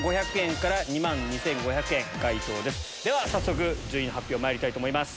早速順位の発表まいりたいと思います。